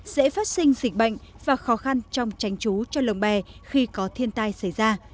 dễ phát sinh dịch bệnh và khó khăn trong tránh trú cho lồng bè khi có thiên tai xảy ra